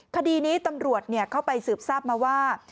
คดีนี้ตำรวจเข้าไปสืบทราบมาว่า